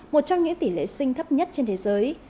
một trong những tỷ lệ sinh thấp nhất trên thế giới